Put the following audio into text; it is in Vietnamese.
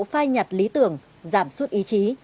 phai nhặt lý tưởng giảm suốt ý chí